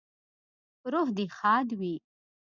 روح دې ښاد وي